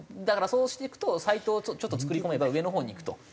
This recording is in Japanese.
だからそうしていくとサイトをちょっと作り込めば上のほうにいくと。